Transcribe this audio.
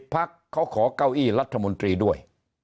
พักเขาขอเก้าอี้รัฐมนตรีด้วย